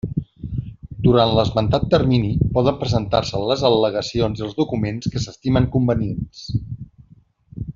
Durant l'esmentat termini poden presentar-se les al·legacions i els documents que s'estimen convenients.